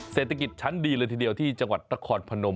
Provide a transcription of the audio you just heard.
เศรษฐกิจชั้นดีเลยทีเดียวที่จังหวัดนครพนม